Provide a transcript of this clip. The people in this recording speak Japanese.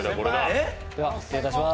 では、失礼します。